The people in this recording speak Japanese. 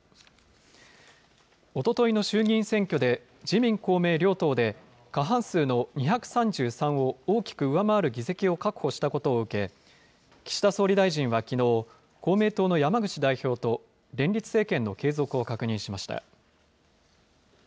おとといの衆議院選挙で、自民、公明両党で過半数の２３３を大きく上回る議席を確保したことを受け、岸田総理大臣はきのう、公明党の山口代表と連立政権の継続を確認しました。